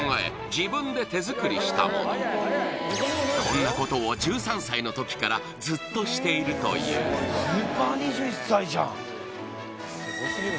自分で手作りしたものこんなことを１３歳の時からずっとしているという完成！